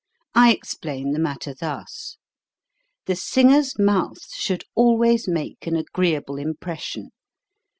I explain the matter thus : The singer's mouth should always make an agreeable impression.